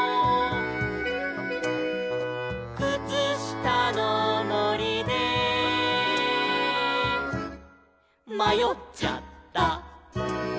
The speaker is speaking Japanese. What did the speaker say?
「くつしたのもりでまよっちゃった」